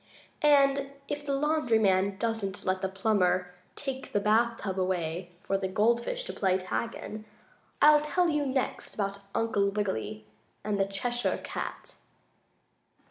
And if the laundry man doesn't let the plumber take the bath tub away for the gold fish to play tag in, I'll tell you next about Uncle Wiggily and the Cheshire Cat.